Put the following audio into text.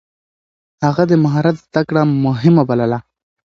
هغه د مهارت زده کړه مهمه بلله.